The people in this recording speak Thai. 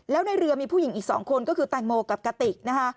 แล้วในเรือมีผู้หญิงอีก๒คนก็คือแตงโมกับกะติกนะคะ